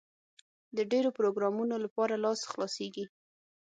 د ډېرو پروګرامونو لپاره لاس خلاصېږي.